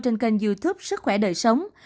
trên kênh youtube sức khỏe đời sống